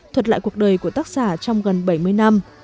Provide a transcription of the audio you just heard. thuật lại cuộc đời của tác giả trong gần bảy mươi năm